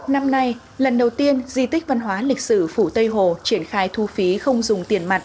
năm nay lần đầu tiên di tích văn hóa lịch sử phủ tây hồ triển khai thu phí không dùng tiền mặt